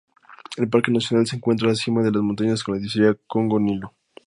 El parque nacional se encuentra la cima de las montañas de la divisoria Congo-Nilo.